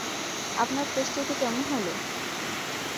আপনার প্রস্তুতি কেমন হলো?